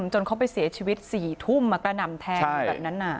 จนเขาไปเสียชีวิตสี่ทุ่มอ่ะก็นำแทงอยู่แบบนั้นอ่ะ